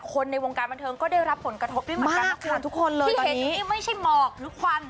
คนในวงการบันเทิงก็ได้รับผลกระทบด้วยเหมือนกันนะครับที่เห็นไม่ใช่หมอกหรือควัน